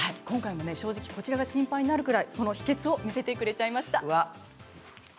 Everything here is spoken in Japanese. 正直こちらが心配になるくらい秘けつを見せてくれちゃいました。